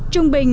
trung bình một